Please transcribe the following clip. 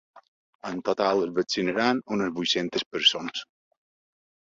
En total, es vaccinaran unes vuit-centes persones.